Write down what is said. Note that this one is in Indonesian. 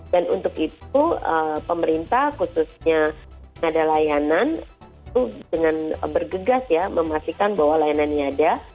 dan untuk itu pemerintah khususnya yang ada layanan itu dengan bergegas ya memastikan bahwa layanan nya ada